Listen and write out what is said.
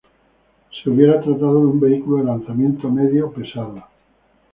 Se hubiera tratado de un vehículo de lanzamiento medio-pesado.